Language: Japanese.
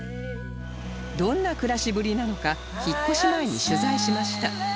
どんな暮らしぶりなのか引っ越し前に取材しました